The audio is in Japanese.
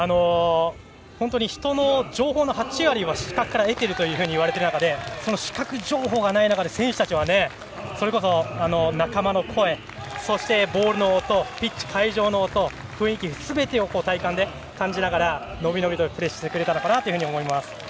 人の情報の８割は視覚から得ているというふうにいわれている中で視覚情報がない中、選手たちはそれこそ仲間の声そしてボールの音ピッチ、会場の音、雰囲気すべてを体感で感じながら、伸び伸びプレーしてくれたと思います。